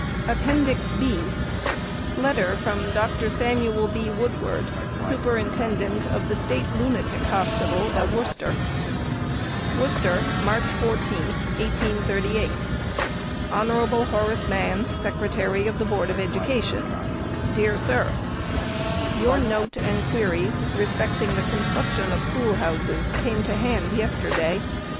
(B.) Letter from DR. SAMUEL B. WOODWARD, Superintendent of the State Lunatic Hospital at Worcester. — See p. 441. Worcester, March 14, 1838. HON. HORACE MANN, Secretary of the Board of Education : DEAR SIR, — Your note and queries, respecting the construction of schoolhouses, came to hand yesterday.